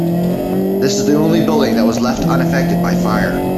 This is the only building that was left unaffected by fire.